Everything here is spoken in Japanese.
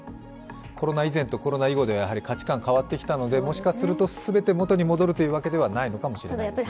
コロナ以前とコロナ以後では価値観が変わってきたのでもしかすると、全て元に戻るというわけではないのかもしれないですね。